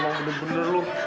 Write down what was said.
iya emang bener bener lo